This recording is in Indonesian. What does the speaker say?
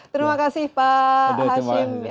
terima kasih pak hashim